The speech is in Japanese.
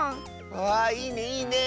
あいいねいいねえ。